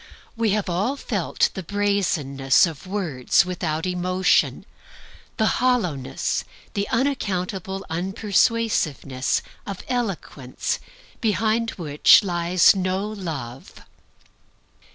We have all felt the brazenness of words without emotion, the hollowness, the unaccountable unpersuasiveness, of eloquence behind which lies no Love.